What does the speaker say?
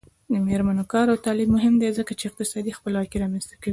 د میرمنو کار او تعلیم مهم دی ځکه چې اقتصادي خپلواکۍ رامنځته کوي.